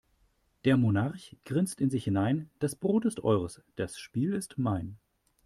Der Monarch grinst in sich hinein: Das Brot ist eures, das Spiel ist mein.